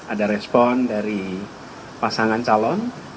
ada respon dari pasangan calon